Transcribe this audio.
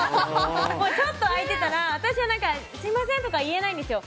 ちょっと空いてたら、私はすみませんと言えないんですよ。